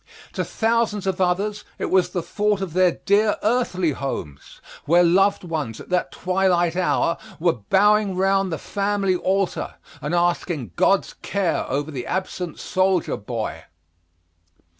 To thousands of others it was the thought of their dear earthly homes, where loved ones at that twilight hour were bowing round the family altar, and asking God's care over the absent soldier boy.